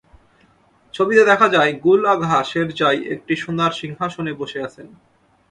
ছবিতে দেখা যায়, গুল আঘা শেরজাই একটি সোনার সিংহাসনে বসে আছেন।